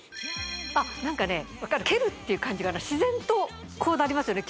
あっ何かね分かる蹴るっていう感じが自然とこうなりますよね